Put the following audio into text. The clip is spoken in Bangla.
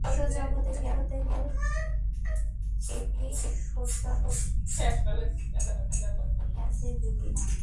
বিশ্বজগতে কেবল একটি সত্তাই রহিয়াছে, দুইটি নাই।